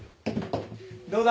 どうだ？